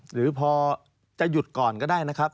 หรือพอจะหยุดก่อนก็ได้นะครับ